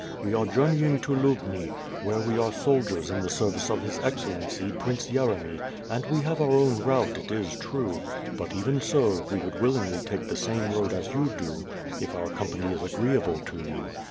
We are journeying to Liubni; where we are soldiers in the service of His Excellency, Prince Yeremy and we have our own route, it is true; but even so, we would willingly take the same road as you do if our company is agreeable to you.